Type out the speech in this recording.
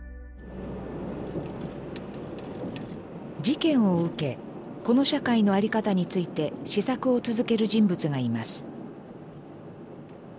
事件を受けこの社会の在り方について思索を続ける人物がいます。